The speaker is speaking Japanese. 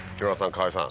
河合さん